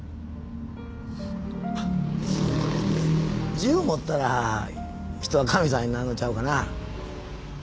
銃を持ったら人は神様になんのちゃうかな。